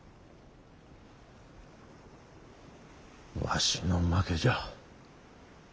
わしの負けじゃ。